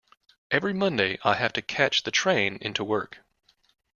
Every Monday I have to catch the train into work